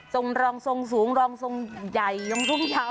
ทรงรองทรงสูงรองทรงใหญ่รองทรงยาว